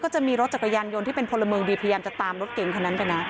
จะมีรถจักรยานยนต์ที่เป็นพลเมืองดีพยายามจะตามรถเก่งคนนั้นไปนะ